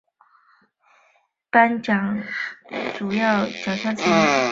波士顿影评人协会奖最佳是波士顿影评人协会奖的主要奖项之一。